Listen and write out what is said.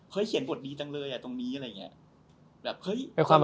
เห้ยเขียนปรวจยี่ตั้งเลยนะตรงนี้